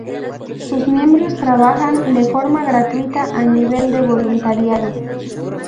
Sus miembros trabajan de forma gratuita y a nivel de voluntariado.